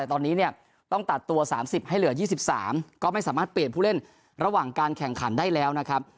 แต่ตอนนี้เนี่ยต้องตัดตัว๓๐ให้เหลือ๒๓ก็ไม่สามารถเปลี่ยนผู้เล่นระหว่างการแข่งขันได้แล้วนะครับ